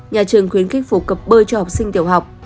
nhà trường khuyến khích phổ cập bơi cho học sinh tiểu học